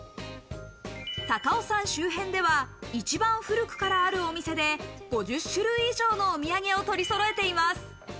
高尾山周辺では一番古くからあるお店で５０種類以上のお土産を取りそろえています。